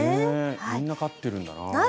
みんな飼ってるんだな。